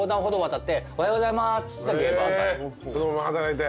へぇそのまま働いて。